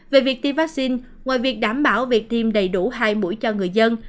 về việc tiêm vaccine ngoài việc đảm bảo việc tiêm đầy đủ hai mũi cho người dân